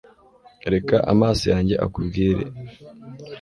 reka amaso yanjye akubwire